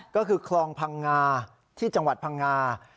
ก็คือคลองพังงาที่จังหวัดพังงา